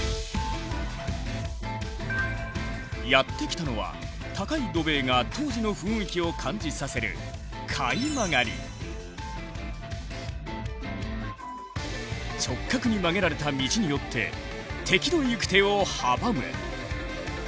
やって来たのは高い土塀が当時の雰囲気を感じさせる直角に曲げられた道によって敵の行く手を阻む。